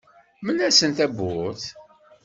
Mel-asent tawwurt.